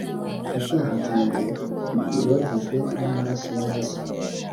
Ibyaha byanjye byogejwe n’amaraso ya Yesu